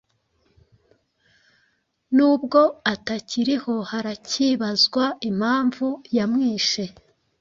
N’ubwo atakiriho haracyibazwa impamvu yamwishe